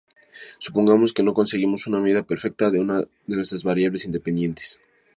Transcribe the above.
Supongamos que no conseguimos una medida perfecta de una de nuestras variables independientes.